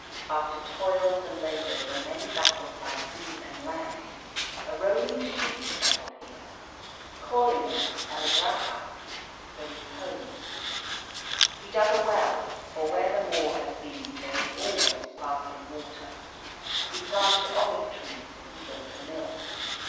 After toils and labours, and many battles by sea and land, a roaming sheikh settled here, calling it El Rahah the Repose. He dug a well for where the Moor has been there is always sparkling water he planted olive trees, and he built a mill.